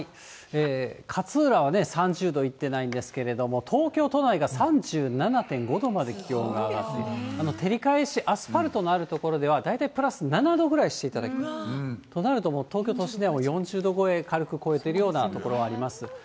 勝浦はね、３０度いってないんですけども、東京都内が３７．５度まで気温が上がって、照り返し、アスファルトのある所では大体プラス７度ぐらいしていただくと、となると、東京都心ではもう４０度超え、軽く超えてるような所があります。